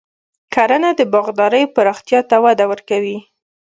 کرنه د باغدارۍ پراختیا ته وده ورکوي.